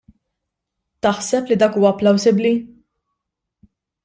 Taħseb li dak huwa plawsibbli?